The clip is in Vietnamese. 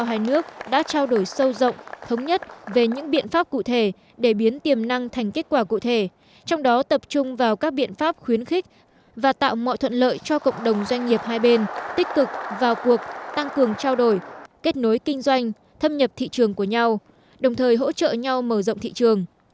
hai nước đã trao đổi sâu rộng thống nhất về những biện pháp cụ thể để biến tiềm năng thành kết quả cụ thể trong đó tập trung vào các biện pháp khuyến khích và tạo mọi thuận lợi cho cộng đồng doanh nghiệp hai bên tích cực vào cuộc tăng cường trao đổi kết nối kinh doanh thâm nhập thị trường của nhau đồng thời hỗ trợ nhau mở rộng thị trường